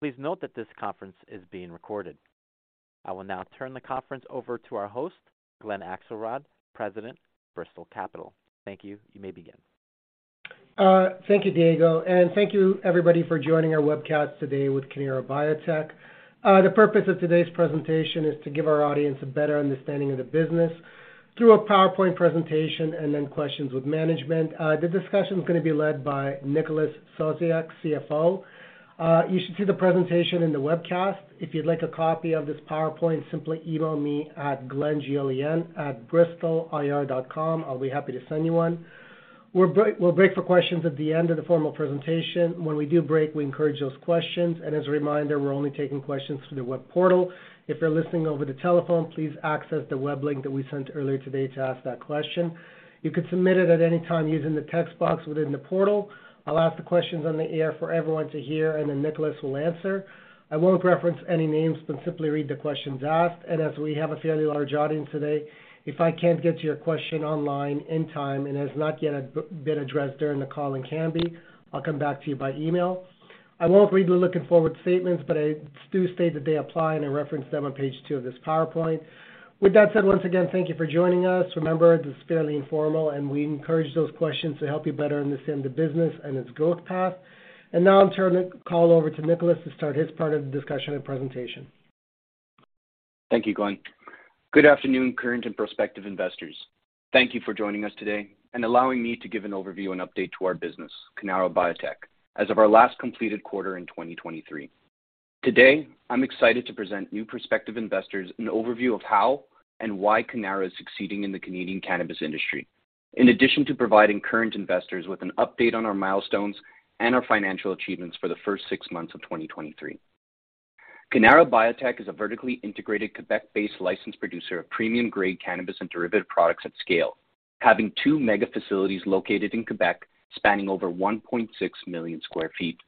Please note that this conference is being recorded. I will now turn the conference over to our host, Glenn Axelrod, President, Bristol Capital. Thank you. You may begin. Thank you, Diego. Thank you everybody for joining our webcast today with Cannara Biotech. The purpose of today's presentation is to give our audience a better understanding of the business through a PowerPoint presentation and then questions with management. The discussion is gonna be led by Nicholas Sosiak, CFO. You should see the presentation in the webcast. If you'd like a copy of this PowerPoint, simply email me at glen, glen@bristolir.com. I'll be happy to send you one. We're break for questions at the end of the formal presentation. When we do break, we encourage those questions. As a reminder, we're only taking questions through the web portal. If you're listening over the telephone, please access the web link that we sent earlier today to ask that question. You could submit it at any time using the text box within the portal. I'll ask the questions on the air for everyone to hear, and then Nicholas will answer. I won't reference any names, but simply read the questions asked. As we have a fairly large audience today, if I can't get to your question online in time and has not yet been addressed during the call and can be, I'll come back to you by email. I won't read the looking forward statements, but I do state that they apply, and I reference them on page two of this PowerPoint. With that said, once again, thank you for joining us. Remember, this is fairly informal, and we encourage those questions to help you better understand the business and its growth path. Now I'll turn the call over to Nicholas to start his part of the discussion and presentation. Thank you, Glenn. Good afternoon, current and prospective investors. Thank you for joining us today and allowing me to give an overview and update to our business, Cannara Biotech, as of our last completed quarter in 2023. Today, I'm excited to present new prospective investors an overview of how and why Cannara is succeeding in the Canadian cannabis industry, in addition to providing current investors with an update on our milestones and our financial achievements for the first six months of 2023. Cannara Biotech is a vertically integrated Quebec-based licensed producer of premium-grade cannabis and derivative products at scale, having two mega facilities located in Quebec spanning over 1.6 million sq ft.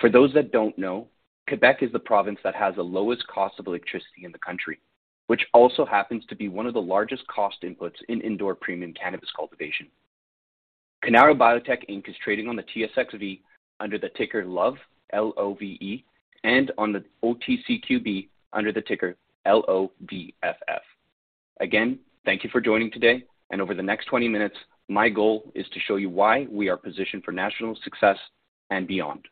For those that don't know, Quebec is the province that has the lowest cost of electricity in the country, which also happens to be one of the largest cost inputs in indoor premium cannabis cultivation. Cannara Biotech Inc. is trading on the TSXV under the ticker LOVE, L-O-V-E, and on the OTCQB under the ticker LOVFF. Thank you for joining today. Over the next 20 minutes, my goal is to show you why we are positioned for national success and beyond.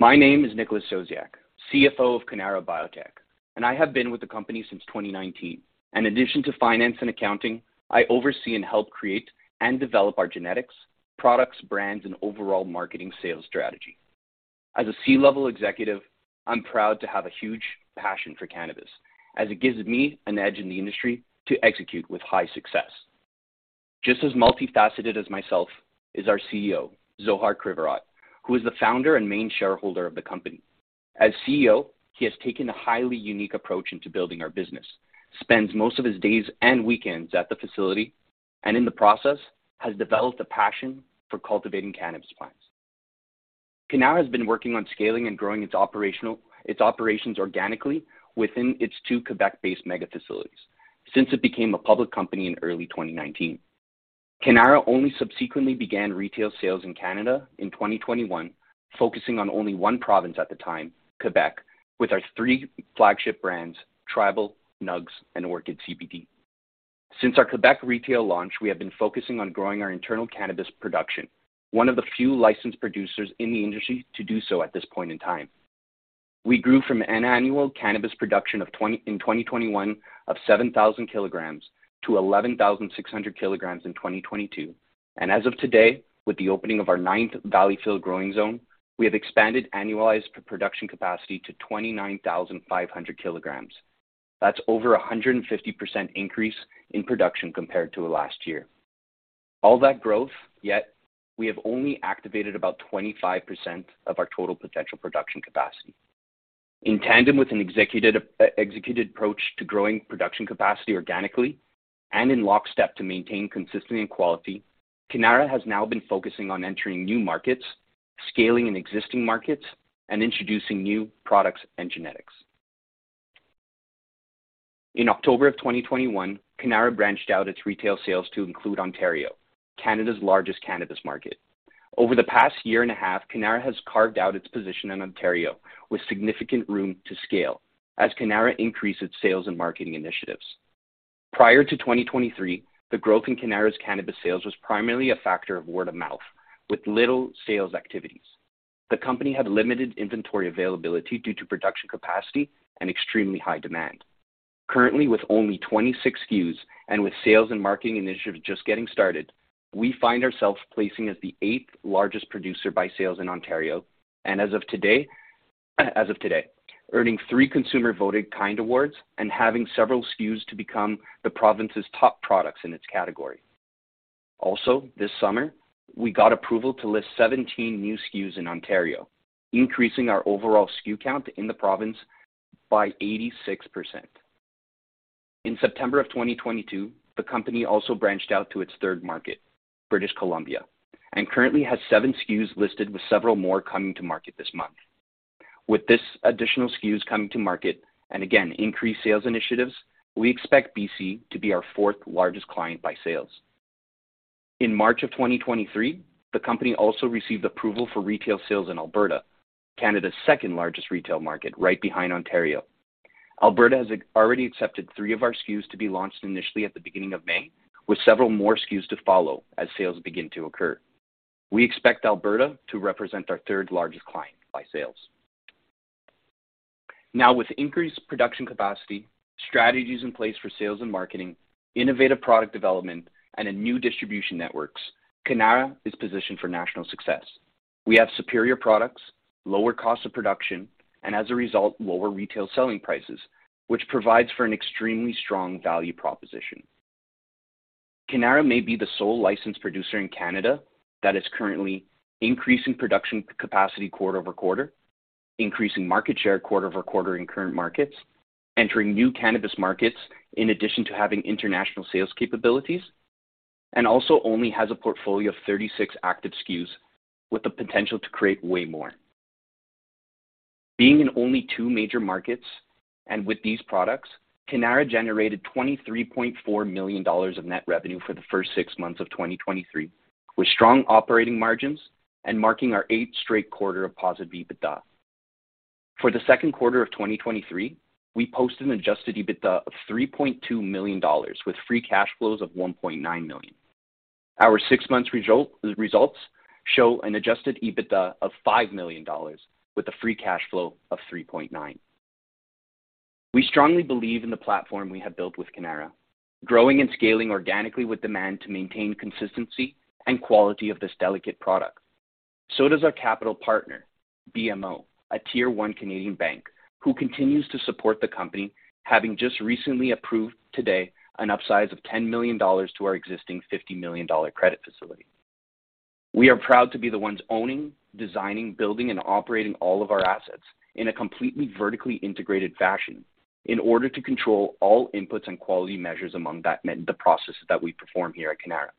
My name is Nicholas Sosiak, CFO of Cannara Biotech, and I have been with the company since 2019. In addition to finance and accounting, I oversee and help create and develop our genetics, products, brands, and overall marketing sales strategy. As a C-level executive, I'm proud to have a huge passion for cannabis, as it gives me an edge in the industry to execute with high success. Just as multifaceted as myself is our CEO, Zohar Krivorot, who is the founder and main shareholder of the company. As CEO, he has taken a highly unique approach into building our business, spends most of his days and weekends at the facility, and in the process has developed a passion for cultivating cannabis plants. Cannara has been working on scaling and growing its operations organically within its two Quebec-based mega facilities since it became a public company in early 2019. Cannara only subsequently began retail sales in Canada in 2021, focusing on only one province at the time, Quebec, with our three flagship brands, Tribal, Nugz, and Orchid CBD. Since our Quebec retail launch, we have been focusing on growing our internal cannabis production, one of the few licensed producers in the industry to do so at this point in time. We grew from an annual cannabis production in 2021 of 7,000 kg to 11,600 kg in 2022. As of today, with the opening of our ninth Valleyfield growing zone, we have expanded annualized production capacity to 29,500 kg. That's over a 150% increase in production compared to last year. All that growth, yet we have only activated about 25% of our total potential production capacity. In tandem with an executed approach to growing production capacity organically and in lockstep to maintain consistency and quality, Cannara has now been focusing on entering new markets, scaling in existing markets, and introducing new products and genetics. In October of 2021, Cannara branched out its retail sales to include Ontario, Canada's largest cannabis market. Over the past year and a half, Cannara has carved out its position in Ontario with significant room to scale as Cannara increased its sales and marketing initiatives. Prior to 2023, the growth in Cannara's cannabis sales was primarily a factor of word-of-mouth. With little sales activities, the company had limited inventory availability due to production capacity and extremely high demand. Currently, with only 26 SKUs and with sales and marketing initiatives just getting started, we find ourselves placing as the 8th-largest producer by sales in Ontario. As of today, earning three consumer-voted KIND Awards and having several SKUs to become the province's top products in its category. This summer, we got approval to list 17 new SKUs in Ontario, increasing our overall SKU count in the province by 86%. In September of 2022, the company also branched out to its third market, British Columbia, and currently has seven SKUs listed, with several more coming to market this month. With this additional SKUs coming to market and again, increased sales initiatives, we expect BC to be our fourth-largest client by sales. In March of 2023, the company also received approval for retail sales in Alberta, Canada's second-largest retail market, right behind Ontario. Alberta has already accepted three of our SKUs to be launched initially at the beginning of May, with several more SKUs to follow as sales begin to occur. We expect Alberta to represent our third-largest client by sales. With increased production capacity, strategies in place for sales and marketing, innovative product development, and a new distribution networks, Cannara is positioned for national success. We have superior products, lower cost of production, and as a result, lower retail selling prices, which provides for an extremely strong value proposition. Cannara may be the sole licensed producer in Canada that is currently increasing production capacity quarter-over-quarter, increasing market share quarter-over-quarter in current markets, entering new cannabis markets in addition to having international sales capabilities, and also only has a portfolio of 36 active SKUs with the potential to create way more. Being in only two major markets, and with these products, Cannara generated 23.4 million dollars of net revenue for the first six months of 2023, with strong operating margins and marking our eighth straight quarter of positive EBITDA. For the second quarter of 2023, we posted an adjusted EBITDA of 3.2 million dollars with free cash flows of 1.9 million. Our six months results show an adjusted EBITDA of 5 million dollars with a free cash flow of 3.9 million. We strongly believe in the platform we have built with Cannara, growing and scaling organically with demand to maintain consistency and quality of this delicate product. Our capital partner, BMO, a Tier 1 Canadian bank, who continues to support the company, having just recently approved today an upsize of 10 million dollars to our existing 50 million dollar credit facility. We are proud to be the ones owning, designing, building, and operating all of our assets in a completely vertically integrated fashion in order to control all inputs and quality measures the processes that we perform here at Cannara.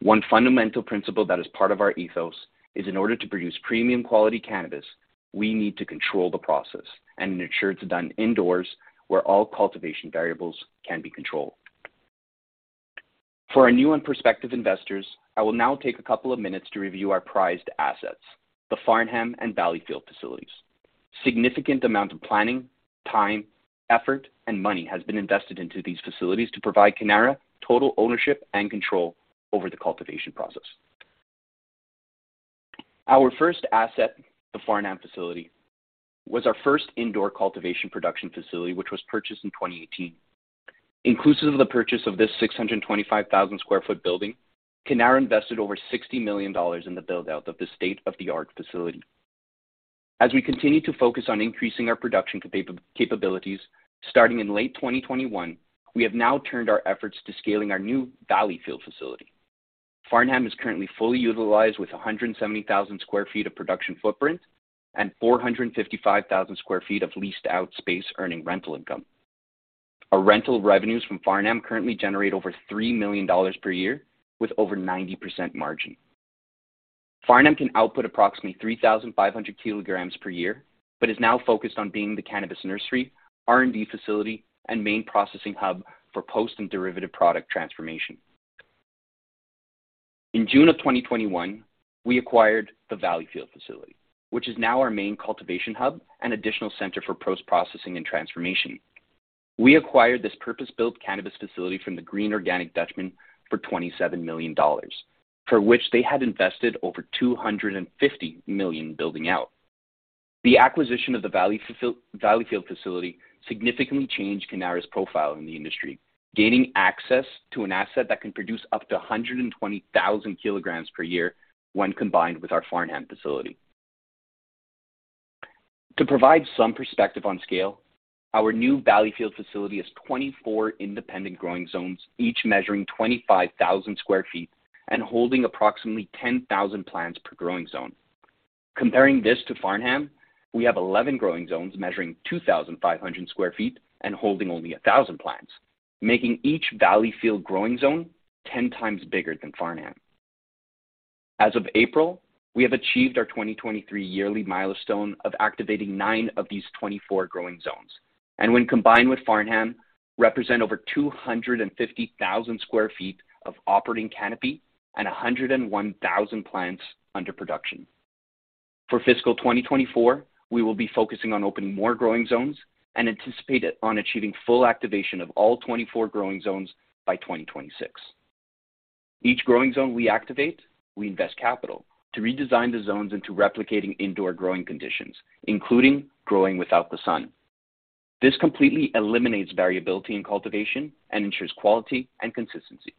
One fundamental principle that is part of our ethos is in order to produce premium-grade cannabis, we need to control the process and ensure it's done indoors, where all cultivation variables can be controlled. For our new and prospective investors, I will now take a couple of minutes to review our prized assets, the Farnham and Valleyfield facilities. Significant amount of planning, time, effort, and money has been invested into these facilities to provide Cannara total ownership and control over the cultivation process. Our first asset, the Farnham facility, was our first indoor cultivation production facility, which was purchased in 2018. Inclusive of the purchase of this 625,000 sq ft building, Cannara invested over 60 million dollars in the build-out of the state-of-the-art facility. As we continue to focus on increasing our production capabilities, starting in late 2021, we have now turned our efforts to scaling our new Valleyfield facility. Farnham is currently fully utilized with 170,000 sq ft of production footprint and 455,000 sq ft of leased out space earning rental income. Our rental revenues from Farnham currently generate over 3 million dollars per year with over 90% margin. Farnham can output approximately 3,500 kg per year, is now focused on being the cannabis nursery, R&D facility, and main processing hub for post and derivative product transformation. In June 2021, we acquired the Valleyfield facility, which is now our main cultivation hub and additional center for post-processing and transformation. We acquired this purpose-built cannabis facility from The Green Organic Dutchman for 27 million dollars, for which they had invested over 250 million building out. The acquisition of the Valleyfield facility significantly changed Cannara's profile in the industry, gaining access to an asset that can produce up to 120,000 kg per year when combined with our Farnham facility. To provide some perspective on scale, our new Valleyfield facility has 24 independent growing zones, each measuring 25,000 sq ft and holding approximately 10,000 plants per growing zone. Comparing this to Farnham, we have 11 growing zones measuring 2,500 sq ft and holding only 1,000 plants, making each Valleyfield growing zone 10 times bigger than Farnham. As of April, we have achieved our 2023 yearly milestone of activating nine of these 24 growing zones, and when combined with Farnham, represent over 250,000 sq ft of operating canopy and 101,000 plants under production. For fiscal 2024, we will be focusing on opening more growing zones and anticipate on achieving full activation of all 24 growing zones by 2026. Each growing zone we activate, we invest capital to redesign the zones into replicating indoor growing conditions, including growing without the sun. This completely eliminates variability in cultivation and ensures quality and consistency,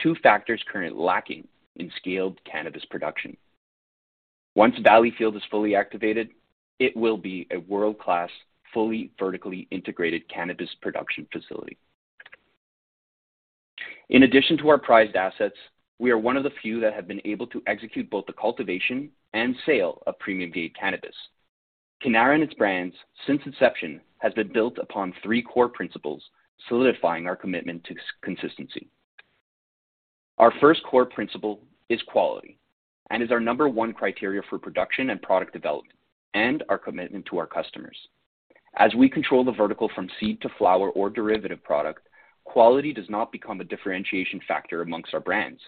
two factors currently lacking in scaled cannabis production. Once Valleyfield is fully activated, it will be a world-class, fully vertically integrated cannabis production facility. In addition to our prized assets, we are one of the few that have been able to execute both the cultivation and sale of premium-grade cannabis. Cannara and its brands since inception, has been built upon three core principles, solidifying our commitment to consistency. Our first core principle is quality and is our number one criteria for production and product development and our commitment to our customers. As we control the vertical from seed to flower or derivative product, quality does not become a differentiation factor amongst our brands.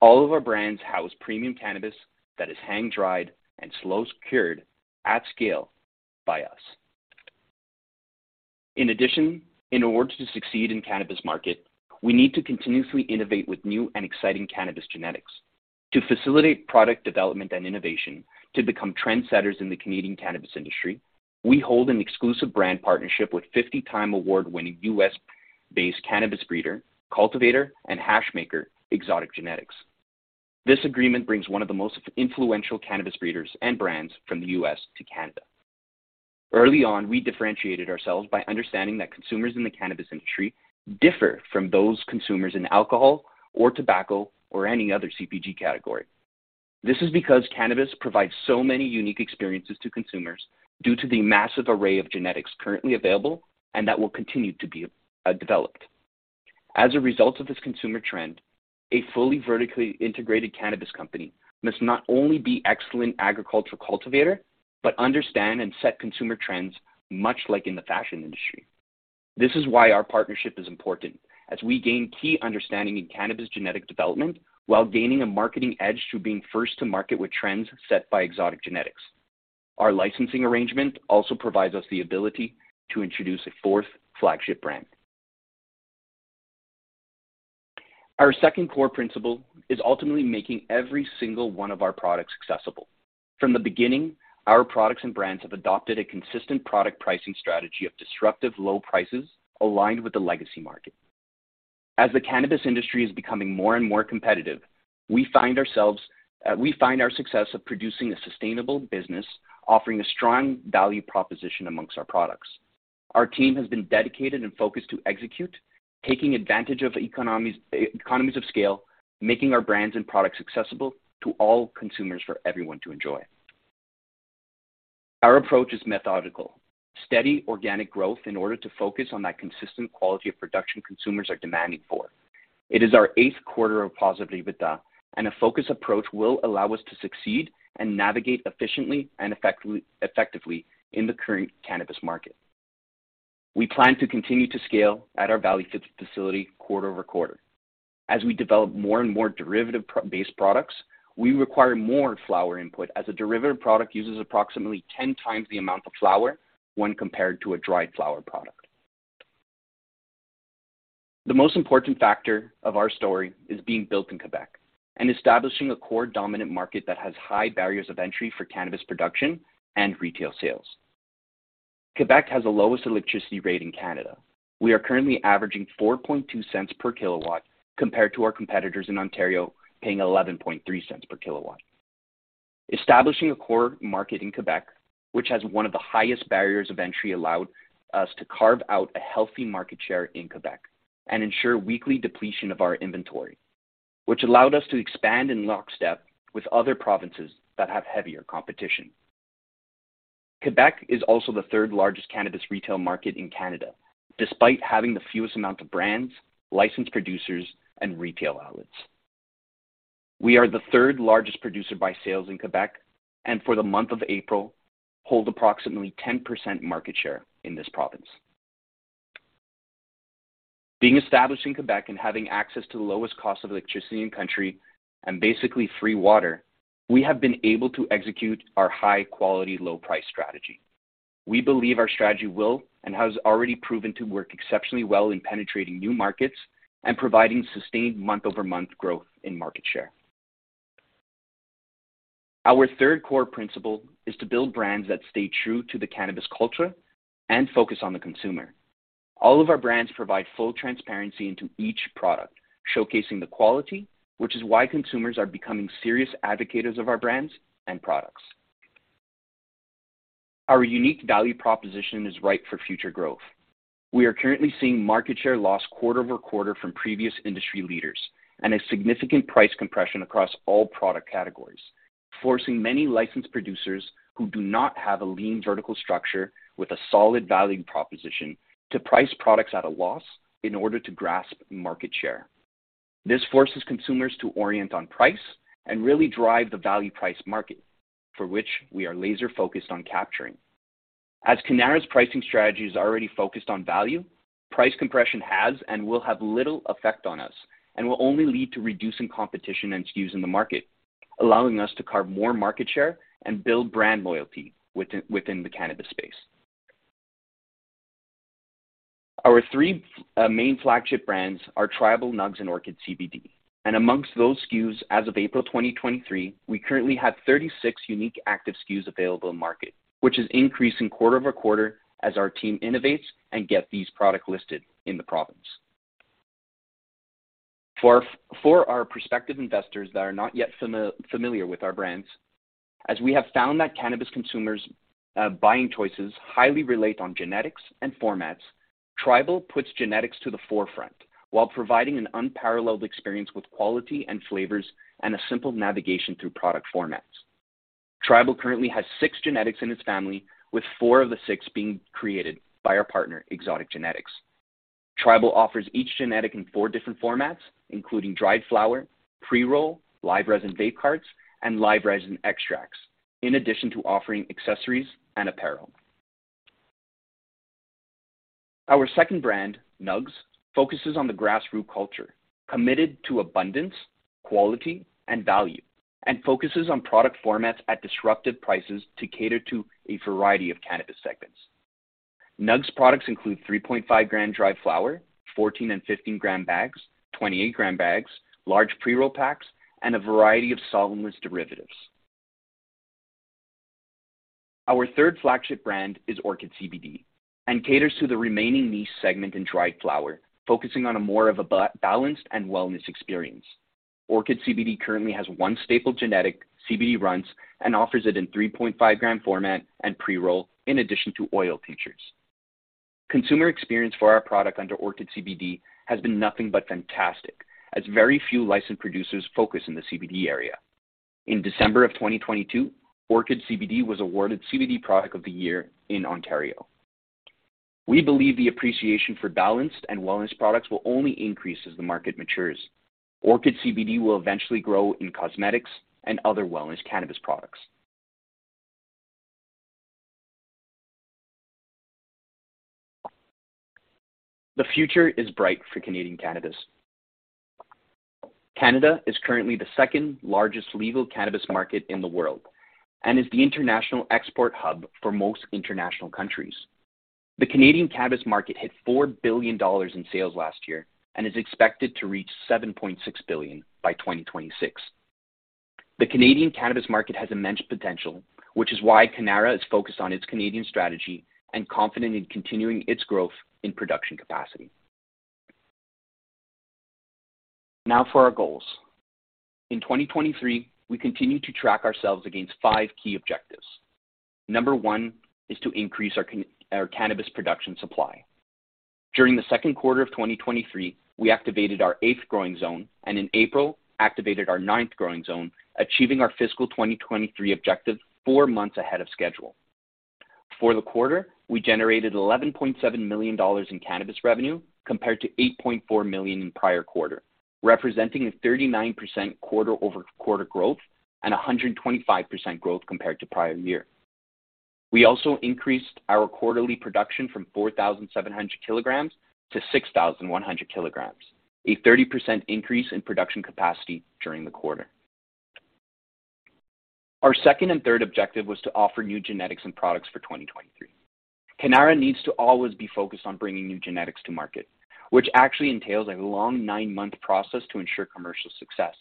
All of our brands house premium cannabis that is hang-dried and slow cured at scale by us. In addition, in order to succeed in cannabis market, we need to continuously innovate with new and exciting cannabis genetics. To facilitate product development and innovation to become trendsetters in the Canadian cannabis industry, we hold an exclusive brand partnership with 50-time award-winning U.S.-based cannabis breeder, cultivator, and hash maker, Exotic Genetix. This agreement brings one of the most influential cannabis breeders and brands from the U.S. to Canada. Early on, we differentiated ourselves by understanding that consumers in the cannabis industry differ from those consumers in alcohol or tobacco or any other CPG category. This is because cannabis provides so many unique experiences to consumers due to the massive array of genetics currently available and that will continue to be developed. As a result of this consumer trend, a fully vertically integrated cannabis company must not only be excellent agricultural cultivator, but understand and set consumer trends, much like in the fashion industry. This is why our partnership is important as we gain key understanding in cannabis genetic development while gaining a marketing edge to being first to market with trends set by Exotic Genetix. Our licensing arrangement also provides us the ability to introduce a fourth flagship brand. Our second core principle is ultimately making every single one of our products accessible. From the beginning, our products and brands have adopted a consistent product pricing strategy of disruptive low prices aligned with the legacy market. As the cannabis industry is becoming more and more competitive, we find our success of producing a sustainable business offering a strong value proposition amongst our products. Our team has been dedicated and focused to execute, taking advantage of economies of scale, making our brands and products accessible to all consumers for everyone to enjoy. Our approach is methodical. Steady organic growth in order to focus on that consistent quality of production consumers are demanding for. It is our eighth quarter of positive EBITDA. A focus approach will allow us to succeed and navigate efficiently and effectively in the current cannabis market. We plan to continue to scale at our Valleyfield facility quarter-over-quarter. As we develop more and more derivative-based products, we require more flower input as a derivative product uses approximately 10 times the amount of flower when compared to a dried flower product. The most important factor of our story is being built in Quebec and establishing a core dominant market that has high barriers of entry for cannabis production and retail sales. Quebec has the lowest electricity rate in Canada. We are currently averaging 0.042 per kW compared to our competitors in Ontario, paying 0.113 per kW. Establishing a core market in Quebec, which has one of the highest barriers of entry, allowed us to carve out a healthy market share in Quebec and ensure weekly depletion of our inventory, which allowed us to expand in lockstep with other provinces that have heavier competition. Quebec is also the third-largest cannabis retail market in Canada, despite having the fewest amount of brands, licensed producers, and retail outlets. We are the third-largest producer by sales in Quebec, and for the month of April, hold approximately 10% market share in this province. Being established in Quebec and having access to the lowest cost of electricity in country and basically free water, we have been able to execute our high quality, low price strategy. We believe our strategy will and has already proven to work exceptionally well in penetrating new markets and providing sustained month-over-month growth in market share. Our third core principle is to build brands that stay true to the cannabis culture and focus on the consumer. All of our brands provide full transparency into each product, showcasing the quality, which is why consumers are becoming serious advocators of our brands and products. Our unique value proposition is right for future growth. We are currently seeing market share loss quarter-over-quarter from previous industry leaders and a significant price compression across all product categories, forcing many licensed producers who do not have a lean vertical structure with a solid value proposition to price products at a loss in order to grasp market share. This forces consumers to orient on price and really drive the value price market, for which we are laser-focused on capturing. As Cannara's pricing strategy is already focused on value, price compression has and will have little effect on us and will only lead to reducing competition and SKUs in the market, allowing us to carve more market share and build brand loyalty within the cannabis space. Our three main flagship brands are Tribal, Nugz, and Orchid CBD. Amongst those SKUs, as of April 2023, we currently have 36 unique active SKUs available in the market, which is increasing quarter-over-quarter as our team innovates and get these product listed in the province. For our prospective investors that are not yet familiar with our brands, as we have found that cannabis consumers, buying choices highly relate on genetics and formats, Tribal puts genetics to the forefront while providing an unparalleled experience with quality and flavors and a simple navigation through product formats. Tribal currently has six genetics in its family, with four of the six being created by our partner, Exotic Genetix. Tribal offers each genetic in four different formats, including dried flower, pre-roll, Live Resin vape carts, and Live Resin extracts, in addition to offering accessories and apparel. Our second brand, Nugz, focuses on the grassroots culture, committed to abundance, quality, and value, and focuses on product formats at disruptive prices to cater to a variety of cannabis segments. Nugz products include 3.5 gram dried flower, 14 and 15 gram bags, 28 gram bags, large pre-roll packs, and a variety of solventless derivatives. Our third flagship brand is Orchid CBD and caters to the remaining niche segment in dried flower, focusing on a more of a balanced and wellness experience. Orchid CBD currently has one staple genetic, CBD Runtz, and offers it in 3.5 gram format and pre-roll, in addition to oil tinctures. Consumer experience for our product under Orchid CBD has been nothing but fantastic, as very few licensed producers focus in the CBD area. In December of 2022, Orchid CBD was awarded CBD Product of the Year in Ontario. We believe the appreciation for balanced and wellness products will only increase as the market matures. Orchid CBD will eventually grow in cosmetics and other wellness cannabis products. The future is bright for Canadian cannabis. Canada is currently the second-largest legal cannabis market in the world, and is the international export hub for most international countries. The Canadian cannabis market hit 4 billion dollars in sales last year and is expected to reach 7.6 billion by 2026. The Canadian cannabis market has immense potential, which is why Cannara is focused on its Canadian strategy and confident in continuing its growth in production capacity. Now for our goals. In 2023, we continue to track ourselves against five key objectives. Number one is to increase our cannabis production supply. During the second quarter of 2023, we activated our eighth growing zone, and in April, activated our ninth growing zone, achieving our fiscal 2023 objective four months ahead of schedule. For the quarter, we generated 11.7 million dollars in cannabis revenue compared to 8.4 million in prior quarter, representing a 39% quarter-over-quarter growth and a 125% growth compared to prior year. We also increased our quarterly production from 4,700 kg to 6,100 kg, a 30% increase in production capacity during the quarter. Our second and third objective was to offer new genetics and products for 2023. Cannara needs to always be focused on bringing new genetics to market, which actually entails a long nine-month process to ensure commercial success.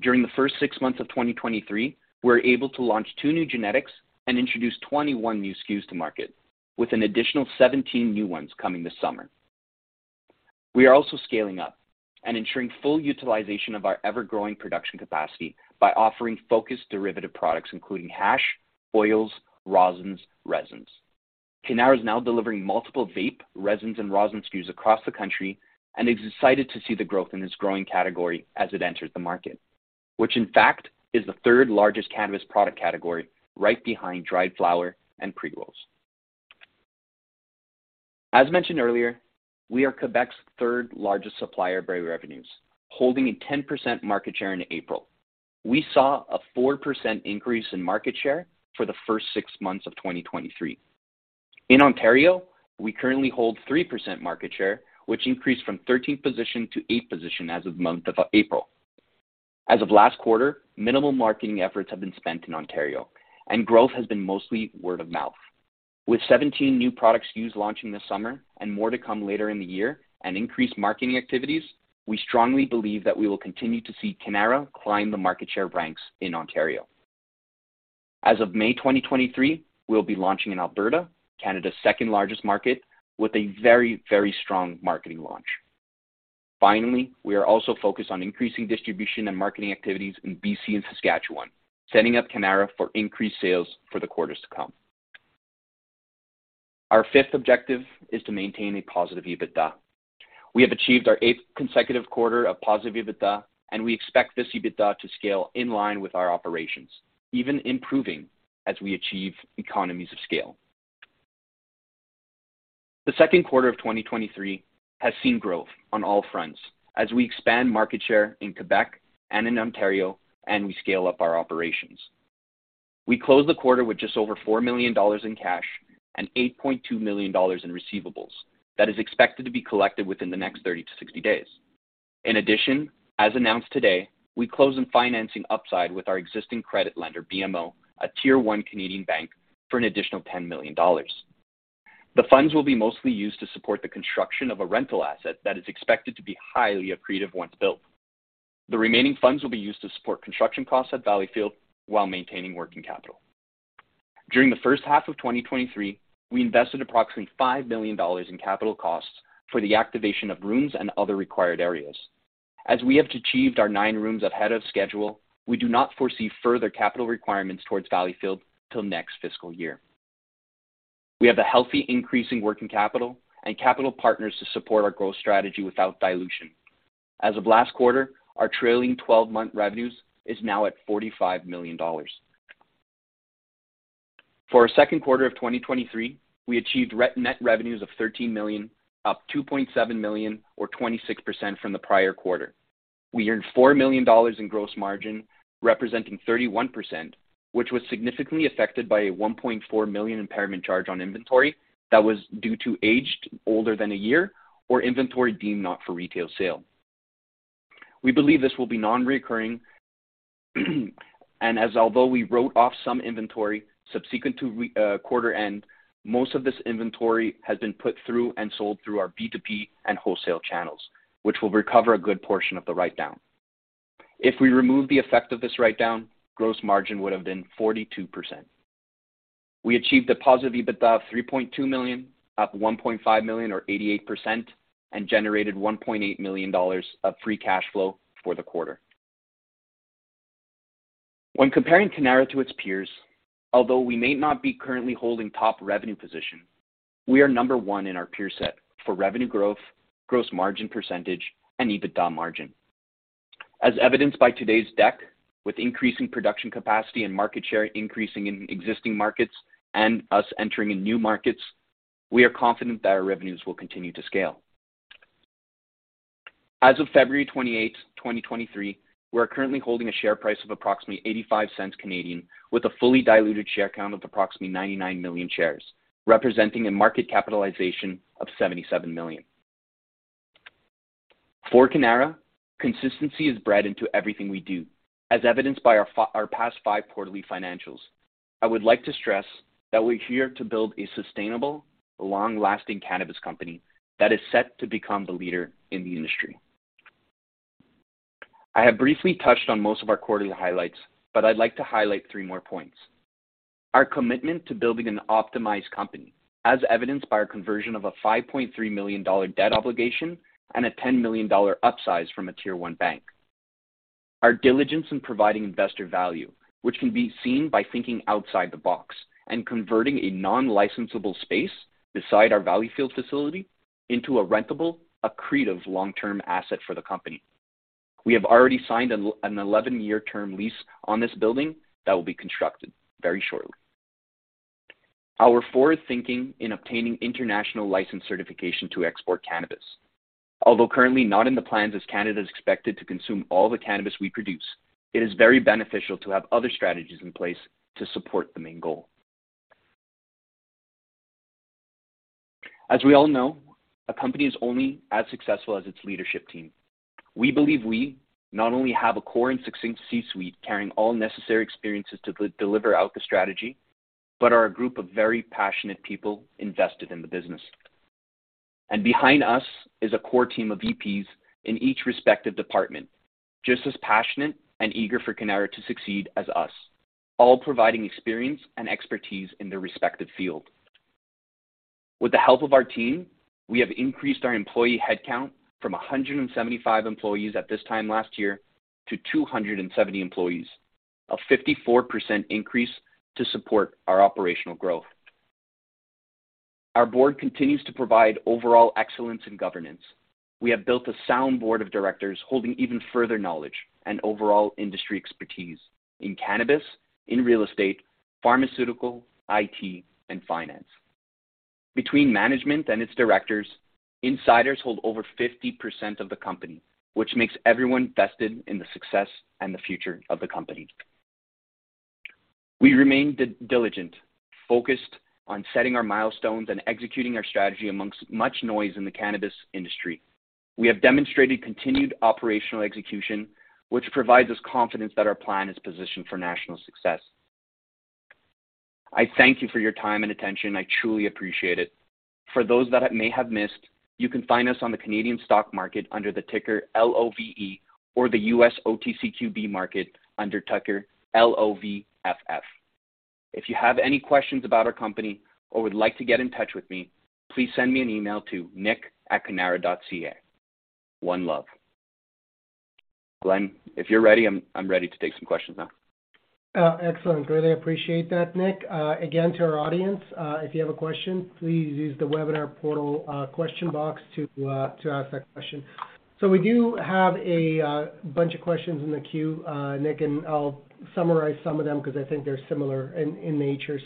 During the first six months of 2023, we were able to launch two new genetics and introduce 21 new SKUs to market, with an additional 17 new ones coming this summer. We are also scaling up and ensuring full utilization of our ever-growing production capacity by offering focused derivative products, including hash, oils, rosins, resins. Cannara is now delivering multiple vape, resins, and rosin SKUs across the country and is excited to see the growth in this growing category as it enters the market, which in fact is the third-largest cannabis product category right behind dried flower and pre-rolls. As mentioned earlier, we are Quebec's third-largest supplier by revenues, holding a 10% market share in April. We saw a 4% increase in market share for the first six months of 2023. In Ontario, we currently hold 3% market share, which increased from 13th position to eighth position as of month of April. As of last quarter, minimal marketing efforts have been spent in Ontario and growth has been mostly word of mouth. With 17 new product SKUs launching this summer and more to come later in the year and increased marketing activities, we strongly believe that we will continue to see Cannara climb the market share ranks in Ontario. As of May 2023, we'll be launching in Alberta, Canada's second-largest market, with a very, very strong marketing launch. Finally, we are also focused on increasing distribution and marketing activities in BC and Saskatchewan, setting up Cannara for increased sales for the quarters to come. Our fifth objective is to maintain a positive EBITDA. We have achieved our eighth consecutive quarter of positive EBITDA, and we expect this EBITDA to scale in line with our operations, even improving as we achieve economies of scale. The second quarter of 2023 has seen growth on all fronts as we expand market share in Quebec and in Ontario, and we scale up our operations. We closed the quarter with just over 4 million dollars in cash and 8.2 million dollars in receivables that is expected to be collected within the next 30-60 days. As announced today, we closed in financing upside with our existing credit lender, BMO, a tier-one Canadian bank, for an additional 10 million dollars. The funds will be mostly used to support the construction of a rental asset that is expected to be highly accretive once built. The remaining funds will be used to support construction costs at Valleyfield while maintaining working capital. During the first half of 2023, we invested approximately 5 million dollars in capital costs for the activation of rooms and other required areas. As we have achieved our nine rooms ahead of schedule, we do not foresee further capital requirements towards Valleyfield till next fiscal year. We have a healthy increase in working capital and capital partners to support our growth strategy without dilution. As of last quarter, our trailing 12-month revenues is now at 45 million dollars. For our second quarter of 2023, we achieved net revenues of 13 million, up 2.7 million or 26% from the prior quarter. We earned CAD 4 million in gross margin, representing 31%, which was significantly affected by a 1.4 million impairment charge on inventory that was due to aged older than a year or inventory deemed not for retail sale. We believe this will be non-recurring. Although we wrote off some inventory subsequent to quarter end, most of this inventory has been put through and sold through our B2B and wholesale channels, which will recover a good portion of the write-down. If we remove the effect of this write-down, gross margin would have been 42%. We achieved a positive EBITDA of 3.2 million, up 1.5 million or 88%, and generated 1.8 million dollars of free cash flow for the quarter. When comparing Cannara to its peers, although we may not be currently holding top revenue position, we are number one in our peer set for revenue growth, gross margin percentage, and EBITDA margin. As evidenced by today's deck, with increasing production capacity and market share increasing in existing markets and us entering in new markets, we are confident that our revenues will continue to scale. As of February 28th, 2023, we are currently holding a share price of approximately 0.85, with a fully diluted share count of approximately 99 million shares, representing a market capitalization of 77 million. For Cannara, consistency is bred into everything we do, as evidenced by our past five quarterly financials. I would like to stress that we're here to build a sustainable, long-lasting cannabis company that is set to become the leader in the industry. I have briefly touched on most of our quarterly highlights, but I'd like to highlight three more points. Our commitment to building an optimized company, as evidenced by our conversion of a 5.3 million dollar debt obligation and a 10 million dollar upsize from a Tier 1 bank. Our diligence in providing investor value, which can be seen by thinking outside the box and converting a non-licensable space beside our Valleyfield facility into a rentable, accretive long-term asset for the company. We have already signed an 11-year term lease on this building that will be constructed very shortly. Our forward-thinking in obtaining international license certification to export cannabis. Although currently not in the plans as Canada is expected to consume all the cannabis we produce, it is very beneficial to have other strategies in place to support the main goal. As we all know, a company is only as successful as its leadership team. We believe we not only have a core and succinct C-suite carrying all necessary experiences to deliver out the strategy, but are a group of very passionate people invested in the business. Behind us is a core team of VPs in each respective department, just as passionate and eager for Cannara to succeed as us, all providing experience and expertise in their respective field. With the help of our team, we have increased our employee headcount from 175 employees at this time last year to 270 employees, a 54% increase to support our operational growth. Our board continues to provide overall excellence in governance. We have built a sound Board of Directors holding even further knowledge and overall industry expertise in cannabis, in real estate, pharmaceutical, IT, and finance. Between management and its directors, insiders hold over 50% of the company, which makes everyone vested in the success and the future of the company. We remain diligent, focused on setting our milestones and executing our strategy amongst much noise in the cannabis industry. We have demonstrated continued operational execution, which provides us confidence that our plan is positioned for national success. I thank you for your time and attention. I truly appreciate it. For those that I may have missed, you can find us on the Canadian stock market under the ticker LOVE or the U.S. OTCQB market under ticker LOVFF. If you have any questions about our company or would like to get in touch with me, please send me an email to nick@cannara.ca. One love. Glenn, if you're ready, I'm ready to take some questions now. Excellent. Really appreciate that, Nick. Again, to our audience, if you have a question, please use the webinar portal, question box to ask that question. We do have a bunch of questions in the queue, Nick, and I'll summarize some of them 'cause I think they're similar in nature.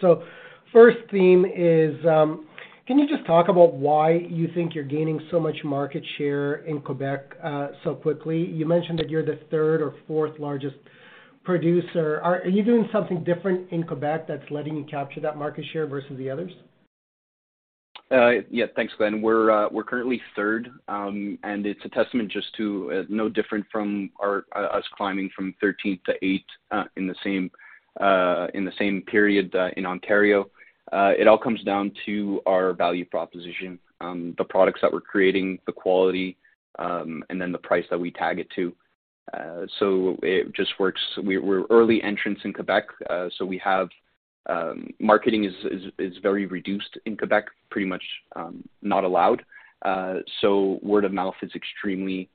First theme is, can you just talk about why you think you're gaining so much market share in Quebec so quickly? You mentioned that you're the third or fourth-largest producer. Are you doing something different in Quebec that's letting you capture that market share versus the others? Yeah. Thanks, Glenn. We're currently third. It's a testament just to no different from our us climbing from 13th to eighth in the same in the same period in Ontario. It all comes down to our value proposition, the products that we're creating, the quality, and then the price that we tag it to. It just works. We're early entrants in Quebec, so we have—marketing is very reduced in Quebec, pretty much not allowed. Word of mouth is extremely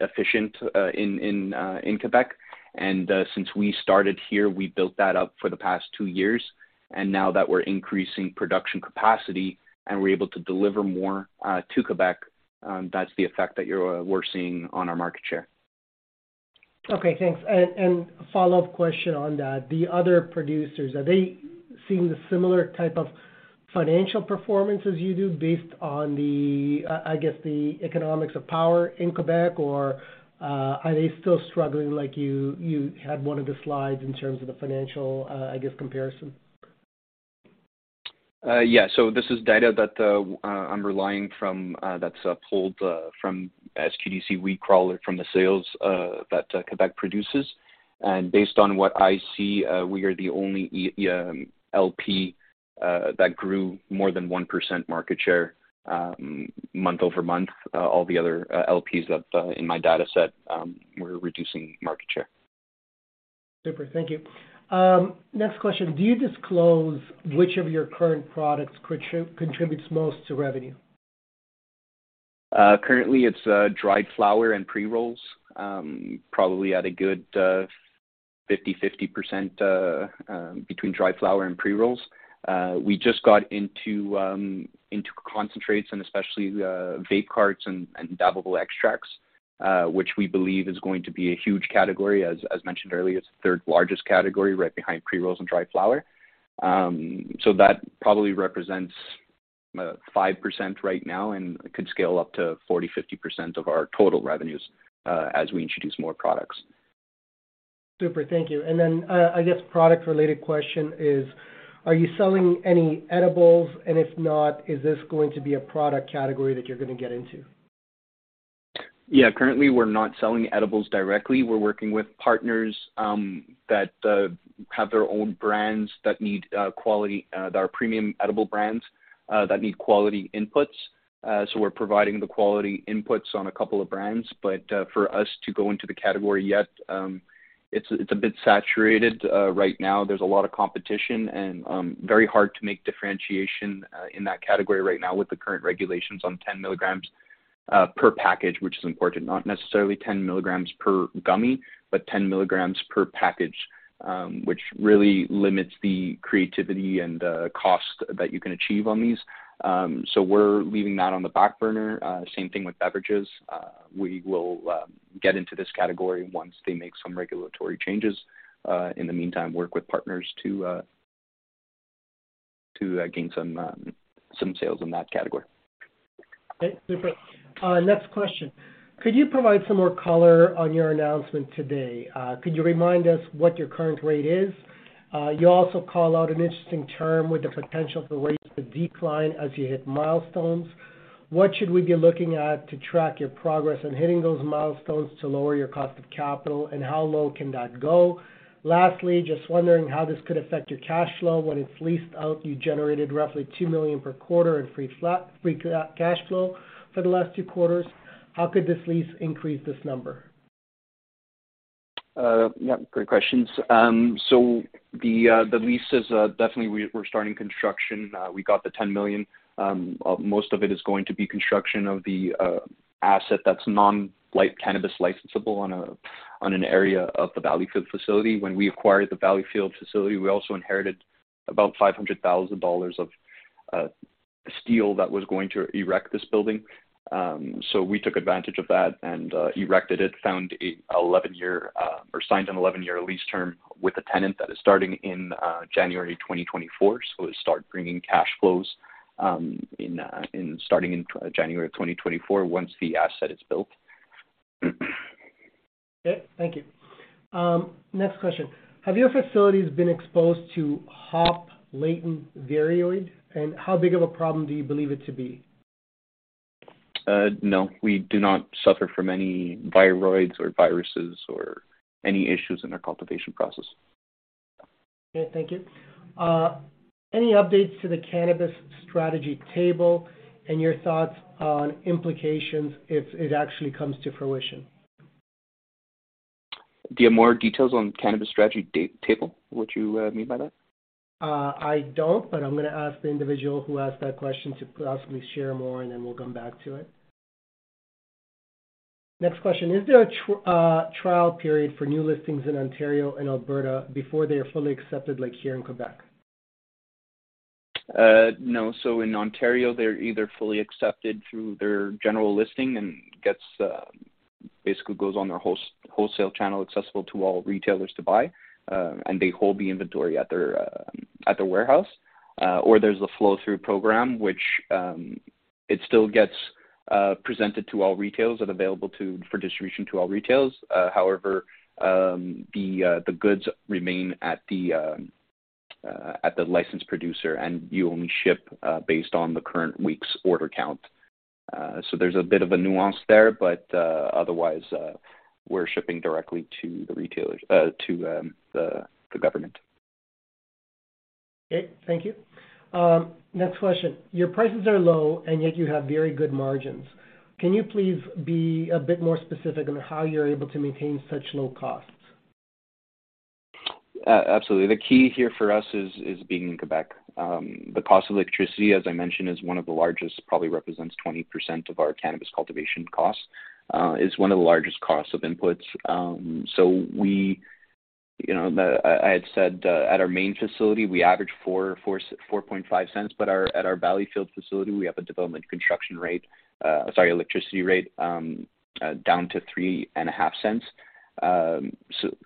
efficient in Quebec. Since we started here, we built that up for the past two years. Now that we're increasing production capacity, and we're able to deliver more, to Quebec, that's the effect that you're, we're seeing on our market share. Okay, thanks. A follow-up question on that. The other producers, are they seeing the similar type of financial performance as you do based on the I guess, the economics of power in Quebec? Or are they still struggling like you had one of the slides in terms of the financial I guess comparison? Yeah. This is data that I'm relying from that's pulled from as SQDC, we crawl it from the sales that Quebec produces. Based on what I see, we are the only LP that grew more than 1% market share month-over-month. All the other LPs that in my data set were reducing market share. Super. Thank you. Next question. Do you disclose which of your current products contributes most to revenue? Currently, it's dried flower and pre-rolls. Probably at a good 50/50 percent between dried flower and pre-rolls. We just got into concentrates and especially vape carts and dabbable extracts, which we believe is going to be a huge category. As mentioned earlier, it's the third-largest category right behind pre-rolls and dried flower. That probably represents 5% right now and could scale up to 40%-50% of our total revenues as we introduce more products. Super. Thank you. Then, I guess product-related question is, are you selling any edibles? If not, is this going to be a product category that you're gonna get into? Currently, we're not selling edibles directly. We're working with partners that have their own brands that need quality that are premium edible brands that need quality inputs. We're providing the quality inputs on a couple of brands. For us to go into the category yet, it's a bit saturated. Right now there's a lot of competition and very hard to make differentiation in that category right now with the current regulations on 10 mg per package, which is important. Not necessarily 10 mg per gummy, but 10 mg per package, which really limits the creativity and the cost that you can achieve on these. We're leaving that on the back burner. Same thing with beverages. We will get into this category once they make some regulatory changes. In the meantime, work with partners to gain some sales in that category. Okay, super. Next question. Could you provide some more color on your announcement today? Could you remind us what your current rate is? You also call out an interesting term with the potential of the rates to decline as you hit milestones. What should we be looking at to track your progress on hitting those milestones to lower your cost of capital, and how low can that go? Lastly, just wondering how this could affect your cash flow. When it's leased out, you generated roughly 2 million per quarter in free cash flow for the last two quarters. How could this lease increase this number? Yeah, great questions. The lease is definitely we're starting construction. We got the 10 million. Most of it is going to be construction of the asset that's non-cannabis licensable on an area of the Valleyfield facility. When we acquired the Valleyfield facility, we also inherited about 500,000 dollars of steel that was going to erect this building. We took advantage of that and erected it. Found a 11-year or signed an 11-year lease term with a tenant that is starting in January 2024. It'll start bringing cash flows in starting in January 2024 once the asset is built. Okay, thank you. Next question. Have your facilities been exposed to Hop Latent Viroid? How big of a problem do you believe it to be? No. We do not suffer from any viroids or viruses or any issues in our cultivation process. Okay, thank you. Any updates to the cannabis strategy table and your thoughts on implications if it actually comes to fruition? Do you have more details on cannabis strategy table? What you mean by that? I don't, but I'm gonna ask the individual who asked that question to possibly share more, and then we'll come back to it. Next question: Is there a trial period for new listings in Ontario and Alberta before they are fully accepted like here in Quebec? No. In Ontario, they're either fully accepted through their general listing and gets basically goes on their wholesale channel, accessible to all retailers to buy, and they hold the inventory at their warehouse. Or there's the flow through program, which it still gets presented to all retailers and available to, for distribution to all retailers. However, the goods remain at the licensed producer, and you only ship based on the current week's order count. There's a bit of a nuance there. Otherwise, we're shipping directly to the retailers to the government. Okay, thank you. Next question. Your prices are low, and yet you have very good margins. Can you please be a bit more specific on how you're able to maintain such low costs? Absolutely. The key here for us is being in Quebec. The cost of electricity, as I mentioned, is one of the largest, probably represents 20% of our cannabis cultivation costs, is one of the largest costs of inputs. You know, I had said, at our main facility, we average 0.045, but at our Valleyfield facility, we have a development construction rate, sorry, electricity rate, down to 0.035.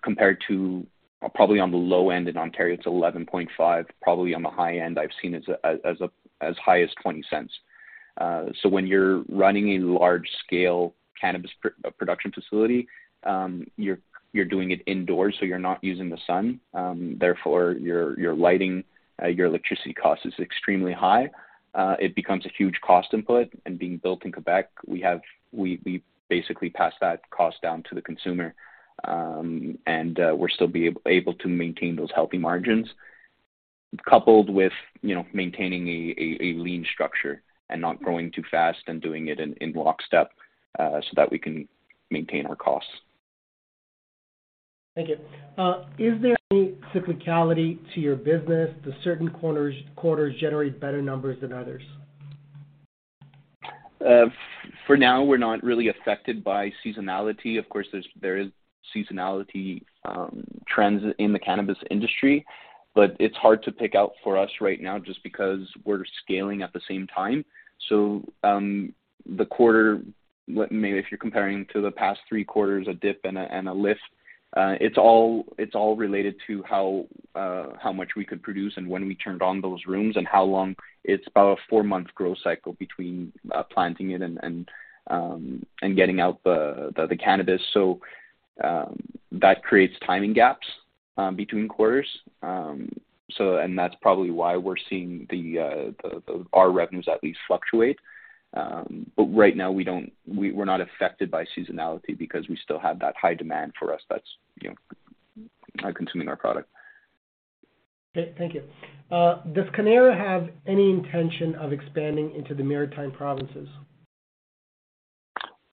Compared to probably on the low end in Ontario, it's 0.115, probably on the high end, I've seen as up as high as 0.20. When you're running a large-scale cannabis production facility, you're doing it indoors, so you're not using the sun, therefore your lighting, your electricity cost is extremely high. It becomes a huge cost input. Being built in Quebec, we basically pass that cost down to the consumer. We're still able to maintain those healthy margins. Coupled with, you know, maintaining a lean structure and not growing too fast and doing it in lockstep, so that we can maintain our costs. Thank you. Is there any cyclicality to your business? Do certain quarters generate better numbers than others? For now, we're not really affected by seasonality. Of course, there is seasonality trends in the cannabis industry, but it's hard to pick out for us right now just because we're scaling at the same time. The quarter, maybe if you're comparing to the past three quarters, a dip and a lift, it's all related to how much we could produce and when we turned on those rooms and how long. It's about a four-month growth cycle between planting it and getting out the cannabis. That creates timing gaps between quarters. That's probably why we're seeing our revenues at least fluctuate. Right now we don't—we’re not affected by seasonality because we still have that high demand for us that's, you know, are consuming our product. Okay. Thank you. Does Cannara have any intention of expanding into the maritime provinces?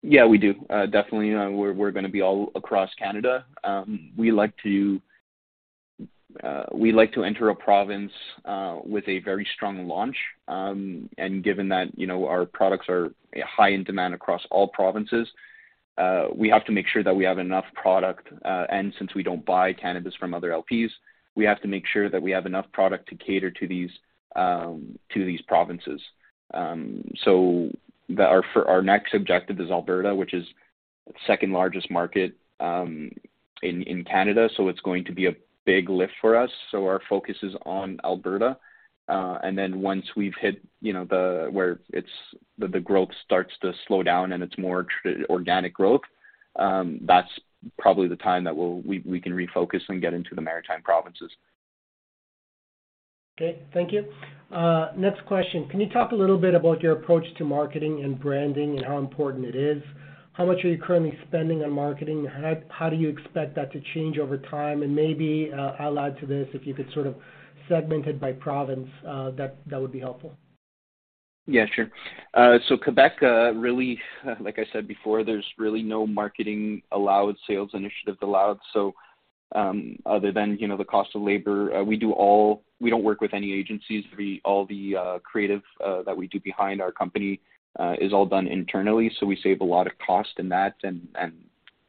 Yeah, we do. Definitely, we're gonna be all across Canada. We like to enter a province with a very strong launch. Given that, you know, our products are high in demand across all provinces, we have to make sure that we have enough product, and since we don't buy cannabis from other LPs, we have to make sure that we have enough product to cater to these provinces. Our next objective is Alberta, which is the second largest market in Canada, it's going to be a big lift for us. Our focus is on Alberta, then once we've hit, you know, the—where it's, the growth starts to slow down and it's more organic growth, that's probably the time that we'll, we can refocus and get into the maritime provinces. Okay. Thank you. Next question. Can you talk a little bit about your approach to marketing and branding and how important it is? How much are you currently spending on marketing? How do you expect that to change over time? Maybe allied to this, if you could sort of segment it by province, that would be helpful. Yeah, sure. Quebec really, like I said before, there's really no marketing allowed, sales initiatives allowed. Other than, you know, the cost of labor, we don't work with any agencies. All the creative that we do behind our company is all done internally, so we save a lot of cost in that and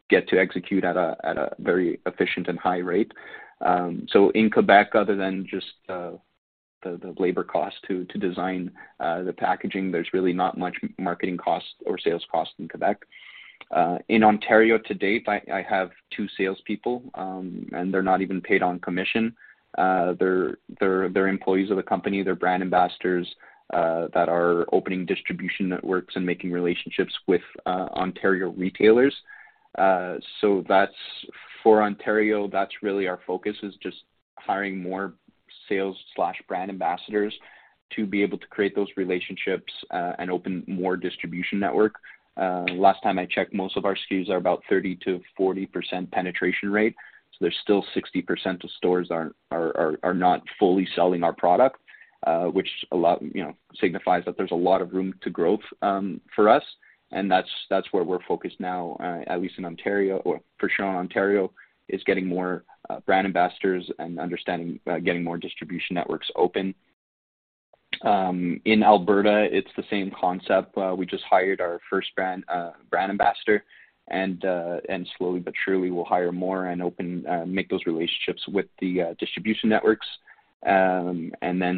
get to execute at a very efficient and high rate. In Quebec, other than just the labor cost to design the packaging, there's really not much marketing costs or sales costs in Quebec. In Ontario, to date, I have two salespeople, and they're not even paid on commission. They're employees of the company. They're brand ambassadors that are opening distribution networks and making relationships with Ontario retailers. For Ontario, that's really our focus, is just hiring more sales/brand ambassadors to be able to create those relationships and open more distribution network. Last time I checked, most of our SKUs are about 30%-40% penetration rate. There's still 60% of stores are not fully selling our product, which a lot, you know, signifies that there's a lot of room to growth for us. That's where we're focused now, at least in Ontario, or for sure in Ontario, is getting more brand ambassadors and understanding, getting more distribution networks open. In Alberta, it's the same concept. We just hired our first brand ambassador, and slowly but surely, we'll hire more and open, make those relationships with the distribution networks.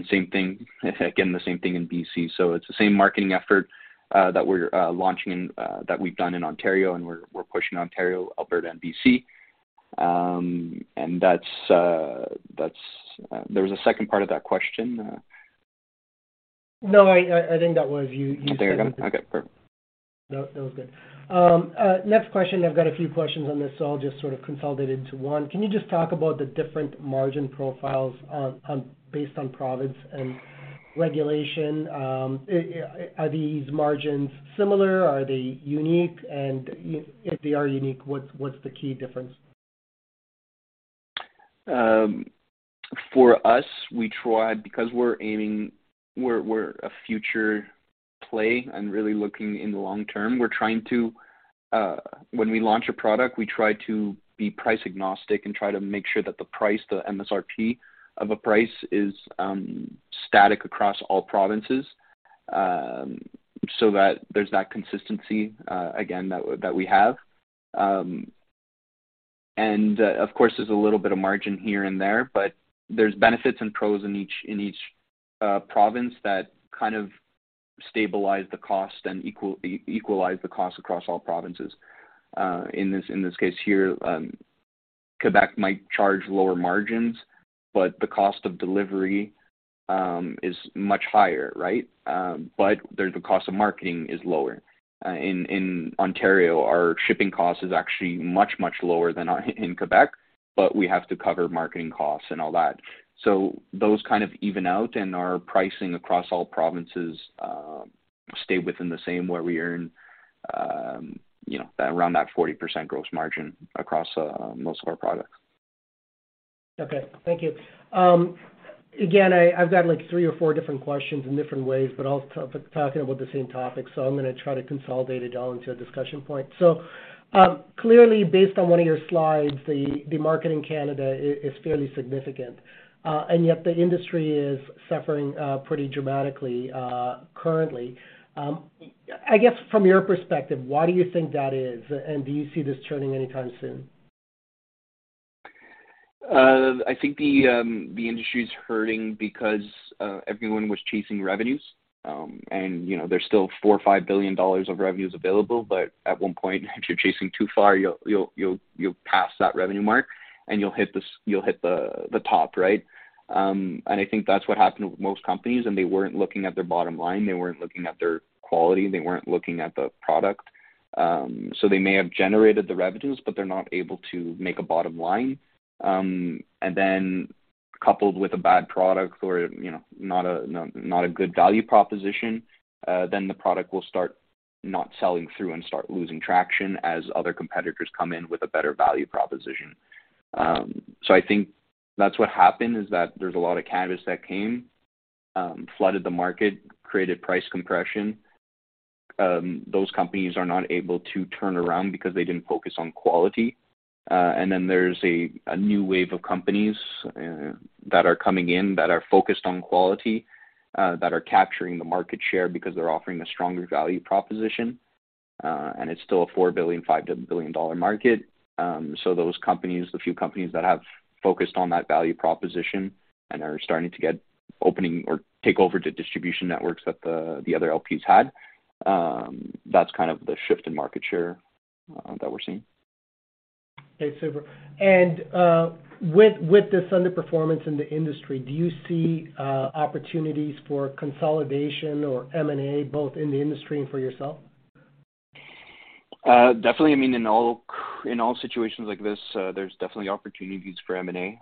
Same thing, again, the same thing in BC. It's the same marketing effort, that we're launching, that we've done in Ontario, and we're pushing Ontario, Alberta and BC. That's, that's, there was a second part of that question. No, I think that was, you. Is that it? Okay, perfect. No, that was it. Next question. I've got a few questions on this, so I'll just sort of consolidate into one. Can you just talk about the different margin profiles on based on province and regulation? Are these margins similar? Are they unique? If they are unique, what's the key difference? For us, because we're aiming, we're a future play and really looking in the long term. We're trying to, when we launch a product, we try to be price-agnostic and try to make sure that the price, the MSRP of a price is static across all provinces. There's that consistency again, that we have. Of course, there's a little bit of margin here and there, but there's benefits and pros in each province that kind of stabilize the cost and equalize the cost across all provinces. In this case here, Quebec might charge lower margins, but the cost of delivery is much higher, right? There's the cost of marketing is lower. In Ontario, our shipping cost is actually much lower than our in Quebec, but we have to cover marketing costs and all that. Those kind of even out and our pricing across all provinces, stay within the same where we earn, you know, around that 40% gross margin across most of our products. Okay. Thank you. Again, I've got like three or four different questions in different ways, but all talking about the same topic, so I'm gonna try to consolidate it all into a discussion point. Clearly, based on one of your slides, the market in Canada is fairly significant, and yet the industry is suffering pretty dramatically currently. I guess from your perspective, why do you think that is, and do you see this turning anytime soon? I think the industry is hurting because everyone was chasing revenues. You know, there's still 4 billion-5 billion dollars of revenues available, but at one point, if you're chasing too far, you'll pass that revenue mark and you'll hit the top, right? I think that's what happened with most companies, and they weren't looking at their bottom line, they weren't looking at their quality, they weren't looking at the product. They may have generated the revenues, but they're not able to make a bottom line. Coupled with a bad product or, you know, not a good value proposition, the product will start not selling through and start losing traction as other competitors come in with a better value proposition. I think that's what happened, is that there's a lot of cannabis that came, flooded the market, created price compression. Those companies are not able to turn around because they didn't focus on quality. There's a new wave of companies that are coming in that are focused on quality that are capturing the market share because they're offering a stronger value proposition, it's still a 4 billion-5 billion dollar market. Those companies, the few companies that have focused on that value proposition and are starting to get opening or take over the distribution networks that the other LPs had, that's kind of the shift in market share that we're seeing. Okay. Super. With this underperformance in the industry, do you see opportunities for consolidation or M&A, both in the industry and for yourself? Definitely. I mean, in all situations like this, there's definitely opportunities for M&A.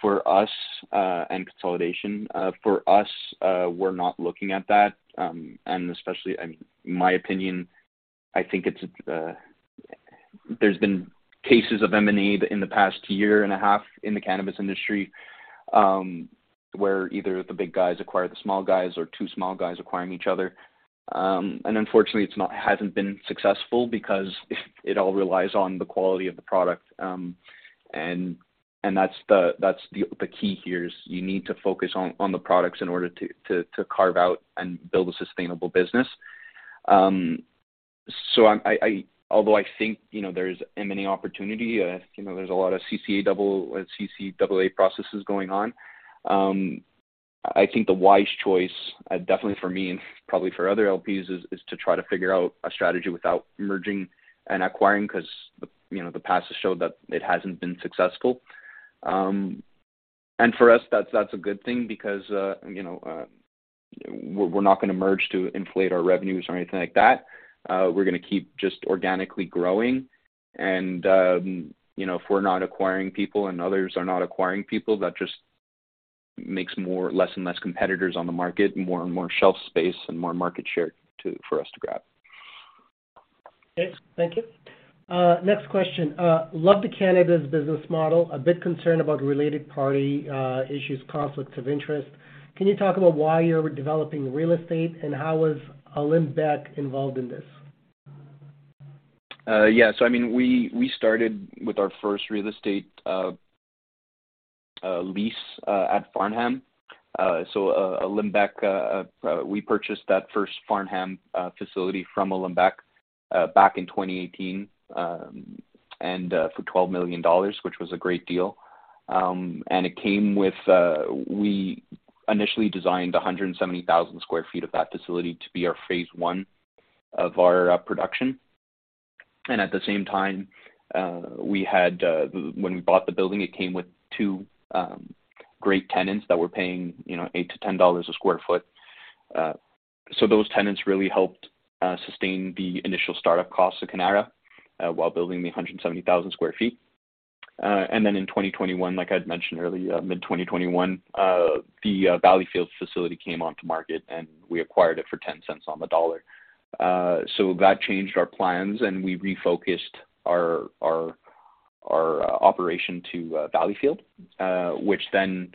For us, and consolidation, for us, we're not looking at that. Especially, I mean, in my opinion, I think it's, there's been cases of M&A in the past year and a half in the cannabis industry, where either the big guys acquire the small guys or two small guys acquiring each other. Unfortunately, it hasn't been successful because it all relies on the quality of the product. That's the key here is you need to focus on the products in order to carve out and build a sustainable business. I although I think, you know, there's M&A opportunity, you know, there's a lot of CCAA processes going on, I think the wise choice, definitely for me and probably for other LPs is to try to figure out a strategy without merging and acquiring because, you know, the past has showed that it hasn't been successful. For us, that's a good thing because, you know, we're not gonna merge to inflate our revenues or anything like that. We're gonna keep just organically growing and, you know, if we're not acquiring people and others are not acquiring people, that just makes more less and less competitors on the market, more and more shelf space and more market share to, for us to grab. Okay. Thank you. Next question. Love the Cannara's business model. A bit concerned about related party issues, conflicts of interest. Can you talk about why you're developing real estate, and how is Olymbec involved in this? Yeah. I mean, we started with our first real estate lease at Farnham. Olymbec, we purchased that first Farnham facility from Olymbec back in 2018 for 12 million dollars, which was a great deal. It came with, we initially designed 170,000 sq ft of that facility to be our phase one of our production. At the same time, we had when we bought the building, it came with two great tenants that were paying, you know, 8-10 dollars a sq ft. Those tenants really helped sustain the initial start-up costs of Cannara while building the 170,000 sq ft. In 2021, like I'd mentioned earlier, mid-2021, the Valleyfield facility came onto market, and we acquired it for 0.10 on CAD 1. That changed our plans, and we refocused our operation to Valleyfield, which then,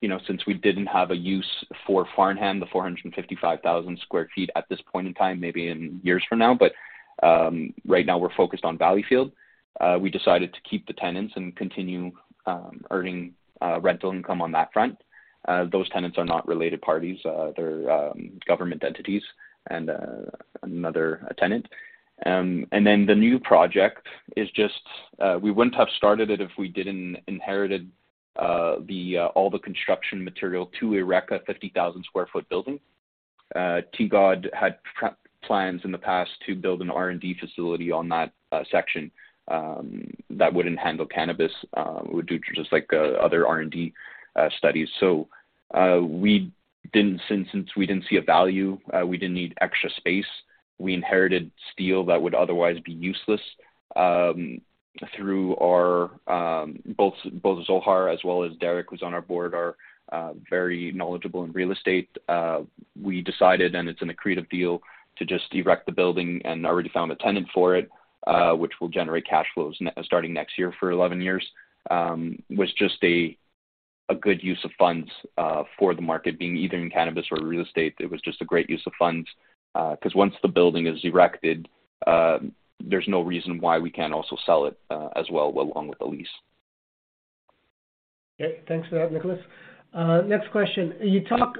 you know, since we didn't have a use for Farnham, the 455,000 sq ft at this point in time, maybe in years from now, but right now we're focused on Valleyfield. We decided to keep the tenants and continue earning rental income on that front. Those tenants are not related parties, they're government entities and another tenant. The new project is just, we wouldn't have started it if we didn't inherited the all the construction material to erect a 50,000 sq ft building. TGOD had plans in the past to build an R&D facility on that section that wouldn't handle cannabis, we do just like other R&D studies. Since we didn't see a value, we didn't need extra space, we inherited steel that would otherwise be useless. Through our both Zohar as well as Derek, who's on our board, are very knowledgeable in real estate. We decided, and it's an accretive deal, to just erect the building and already found a tenant for it, which will generate cash flows starting next year for 11 years, was just a good use of funds for the market. Being either in cannabis or real estate, it was just a great use of funds because once the building is erected, there's no reason why we can't also sell it as well along with the lease. Okay. Thanks for that, Nicholas. Next question. You talk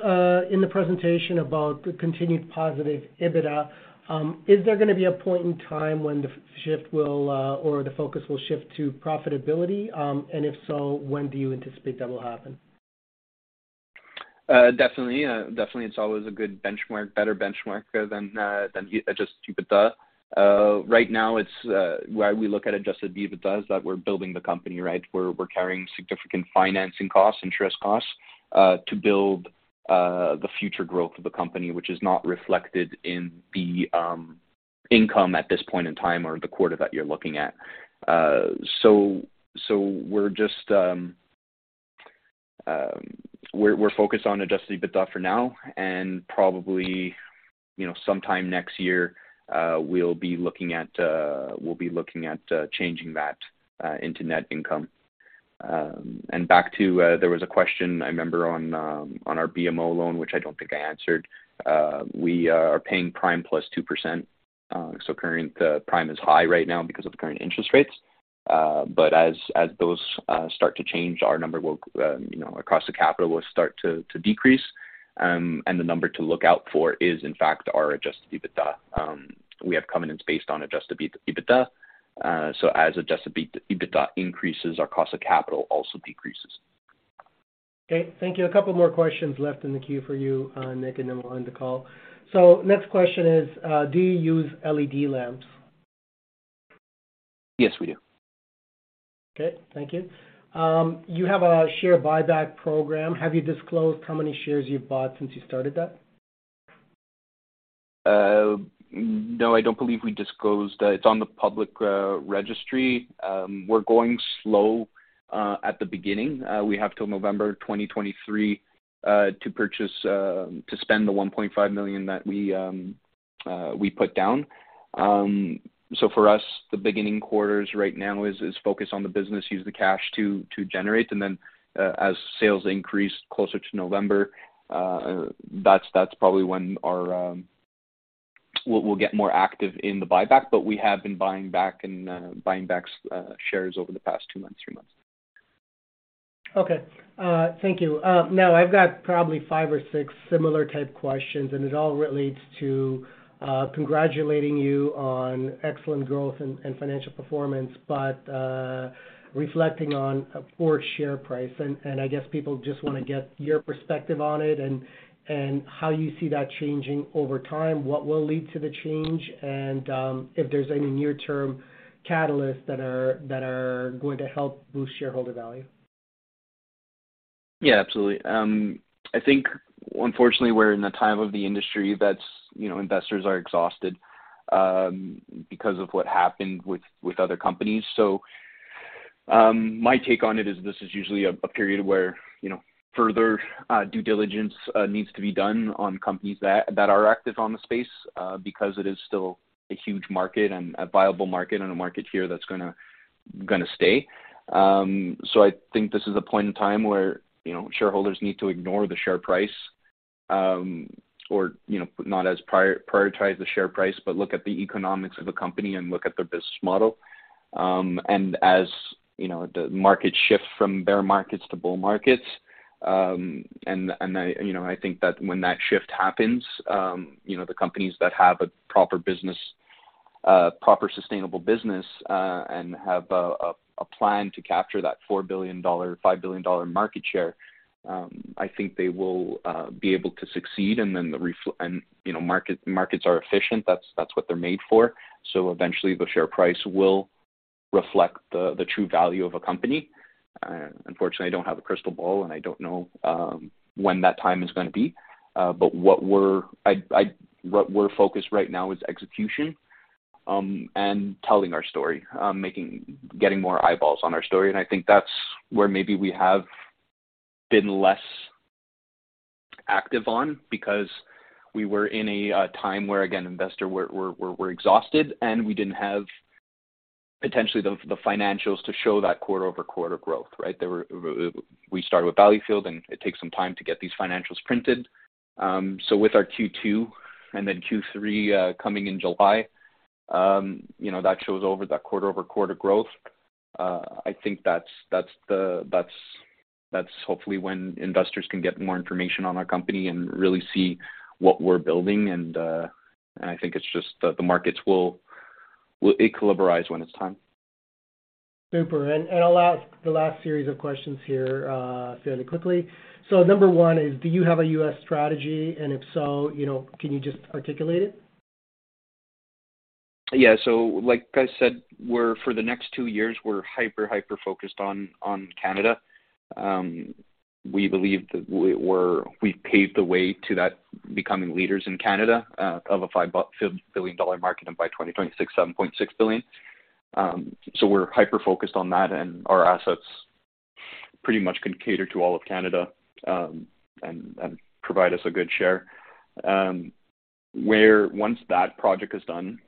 in the presentation about the continued positive EBITDA. Is there gonna be a point in time when the shift will or the focus will shift to profitability? If so, when do you anticipate that will happen? Definitely, definitely it's always a good benchmark, better benchmark than just EBITDA. Right now it's why we look at adjusted EBITDA is that we're building the company, right? We're carrying significant financing costs, interest costs to build the future growth of the company, which is not reflected in the income at this point in time or the quarter that you're looking at. We're just we're focused on adjusted EBITDA for now, and probably, you know, sometime next year, we'll be looking at changing that into net income. Back to there was a question I remember on our BMO loan, which I don't think I answered. We are paying prime +2%. Current prime is high right now because of the current interest rates. As those start to change, our number will, you know, across the capital will start to decrease. The number to look out for is in fact our adjusted EBITDA. We have covenants based on adjusted EBITDA. As adjusted EBITDA increases, our cost of capital also decreases. Okay. Thank you. A couple more questions left in the queue for you, Nick, and then we'll end the call. Next question is, do you use LED lamps? Yes, we do. Okay. Thank you. You have a share buyback program. Have you disclosed how many shares you've bought since you started that? No, I don't believe we disclosed. It's on the public registry. We're going slow at the beginning. We have till November 2023 to purchase to spend the 1.5 million that we put down. For us, the beginning quarters right now is focused on the business, use the cash to generate, and then as sales increase closer to November, that's probably when our we'll get more active in the buyback. We have been buying back and buying back shares over the past two months, three months. Thank you. Now I've got probably five or six similar type questions, and it all relates to congratulating you on excellent growth and financial performance, but reflecting on a poor share price. I guess people just wanna get your perspective on it and how you see that changing over time, what will lead to the change, if there's any near term catalysts that are going to help boost shareholder value. Yeah, absolutely. I think unfortunately, we're in a time of the industry that's, you know, investors are exhausted because of what happened with other companies. My take on it is this is usually a period where, you know, further due diligence needs to be done on companies that are active on the space because it is still a huge market and a viable market and a market share that's gonna stay. I think this is a point in time where, you know, shareholders need to ignore the share price, or, you know, not as prioritize the share price, but look at the economics of the company and look at their business model. As, you know, the market shifts from bear markets to bull markets, and I, you know, I think that when that shift happens, you know, the companies that have a proper business, proper sustainable business, and have a plan to capture that 4 billion-5 billion dollar market share, I think they will be able to succeed. You know, markets are efficient. That's what they're made for. Eventually the share price will reflect the true value of a company. Unfortunately, I don't have a crystal ball, and I don't know when that time is gonna be. What we're focused right now is execution, and telling our story, getting more eyeballs on our story. I think that's where maybe we have been less active on because we were in a time where, again, investors were exhausted, and potentially the financials to show that quarter-over-quarter growth, right? We started with Valleyfield, and it takes some time to get these financials printed. With our Q2 and then Q3, coming in July, you know, that shows over that quarter-over-quarter growth. I think that's hopefully when investors can get more information on our company and really see what we're building and I think it's just the markets will equilibrate when it's time. Super. I'll ask the last series of questions here, fairly quickly. Number one is, do you have a U.S. strategy? If so, you know, can you just articulate it? Yeah. Like I said, we're for the next two years, we're hyper-focused on Canada. We believe that we've paved the way to that becoming leaders in Canada, of a 5 billion dollar market, and by 2026, 7.6 billion. We're hyper-focused on that, and our assets pretty much can cater to all of Canada, and provide us a good share. Where once that project is done,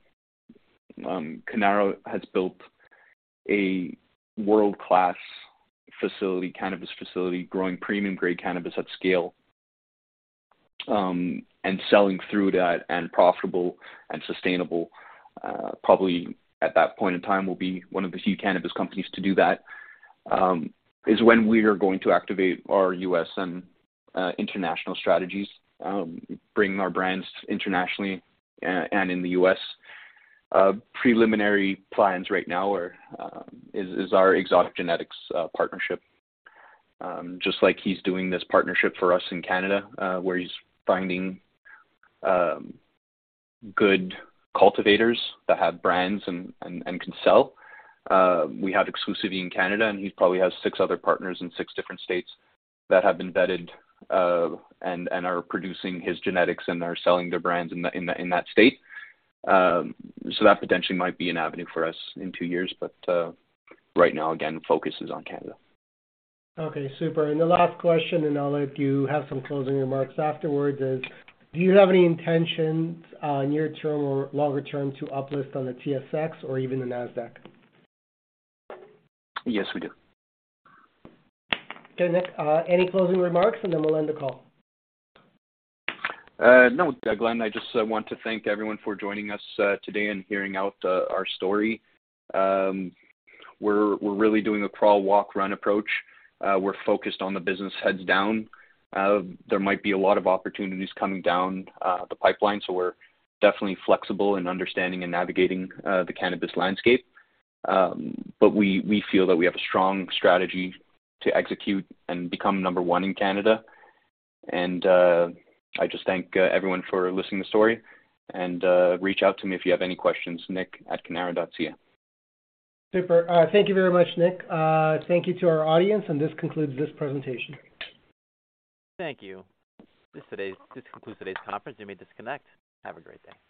Cannara has built a world-class facility, cannabis facility, growing premium-grade cannabis at scale, and selling through that and profitable and sustainable. Probably at that point in time, we'll be one of the few cannabis companies to do that, is when we are going to activate our U.S. and international strategies, bringing our brands internationally and in the U.S. Preliminary plans right now are, is our Exotic Genetix partnership. Just like he's doing this partnership for us in Canada, where he's finding good cultivators that have brands and can sell. We have exclusivity in Canada. He probably has six other partners in six different states that have been vetted, and are producing his genetics and are selling their brands in that state. That potentially might be an avenue for us in two years. Right now, again, focus is on Canada. Okay, super. The last question, and I'll let you have some closing remarks afterwards is, do you have any intentions, near term or longer term to uplist on the TSX or even the Nasdaq? Yes, we do. Good. Nick, any closing remarks, and then we'll end the call? No, Glenn. I just want to thank everyone for joining us today and hearing out our story. We're really doing a crawl, walk, run approach. We're focused on the business, heads down. There might be a lot of opportunities coming down the pipeline, so we're definitely flexible in understanding and navigating the cannabis landscape. We feel that we have a strong strategy to execute and become number one in Canada. I just thank everyone for listening to the story. Reach out to me if you have any questions, nick@cannara.ca. Super. Thank you very much, Nick. Thank you to our audience. This concludes this presentation. Thank you. This concludes today's conference. You may disconnect. Have a great day.